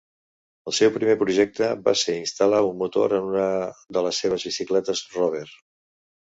El seu primer projecte va ser instal·lar un motor en una de les seves bicicletes Rover.